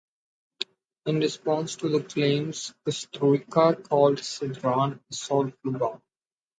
In response to the claims, Kusturica called Sidran a "soulful bum".